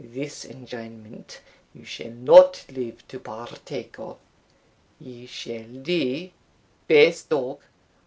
This enjoyment you shall not live to partake of! you shall die, base dog!